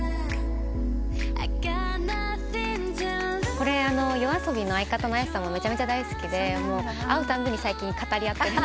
これＹＯＡＳＯＢＩの相方のＡｙａｓｅさんもめちゃめちゃ大好きで会うたびに最近語り合ってるんですけど。